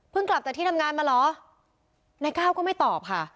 กลับจากที่ทำงานมาเหรอนายก้าวก็ไม่ตอบค่ะ